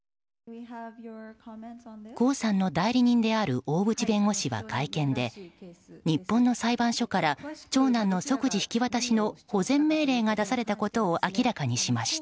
江さんの代理人である大渕弁護士は会見で日本の裁判所から長男の即時引き渡しの保全命令が出されたことを明らかにしました。